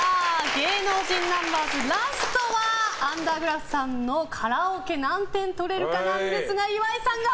芸能人ナンバーズラストはアンダーグラフさんのカラオケ何点取れるかなんですが岩井さんが！